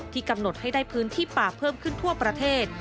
กำหนดให้ได้พื้นที่ป่าเพิ่มขึ้นทั่วประเทศ